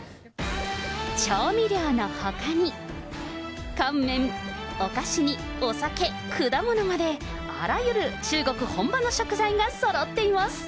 調味料のほかに、乾麺、お菓子にお酒、果物まで、あらゆる中国本場の食材がそろっています。